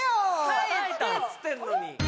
耐えてっつってんのに！